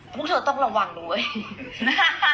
พวกเธอต้องระวังดูนะ